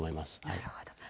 なるほど。